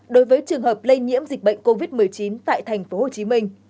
ba đối với trường hợp lây nhiễm dịch bệnh covid một mươi chín tại tp hcm